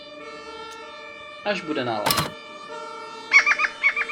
Až bude nálada.